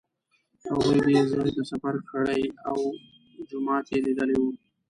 هغوی دې ځای ته سفر کړی و او جومات یې لیدلی و.